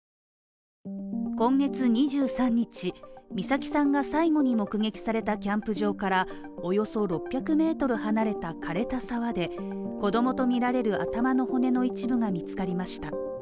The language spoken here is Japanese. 今月２３日、美咲さんが最後に目撃されたキャンプ場からおよそ６００ｍ離れた枯れた沢で子供とみられる頭の骨の一部が見つかりました